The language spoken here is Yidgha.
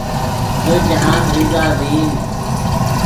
زو جاہند ریزہ ڤئیم